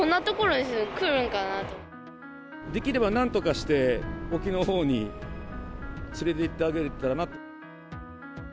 できればなんとかして沖のほうに連れていってあげれたらなと。